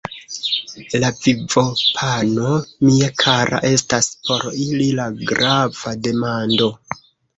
La vivopano, mia kara, estas por ili la grava demando.